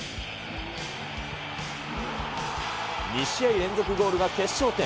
２試合連続ゴールが決勝点。